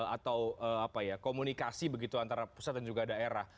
atau komunikasi begitu antara pusat dan juga daerah